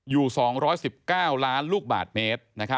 อยู่๒๑๙ล้านลูกบาทเมตร